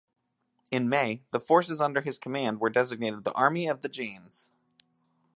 In May, the forces under his command were designated the Army of the James.